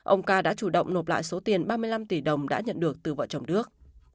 ông ca đã chủ động nộp lại số tiền ba mươi năm tỷ đồng đã nhận được từ vợ chồng đức